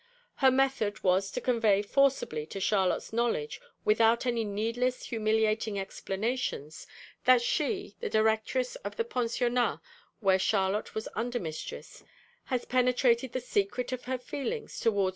Her method was to convey forcibly to Charlotte's knowledge without any needless humiliating explanations, that she, the Directress of the Pensionnat where Charlotte was under mistress, has penetrated the secret of her feelings towards M.